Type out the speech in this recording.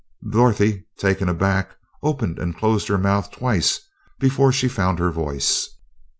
Dorothy, taken aback, opened and closed her mouth twice before she found her voice.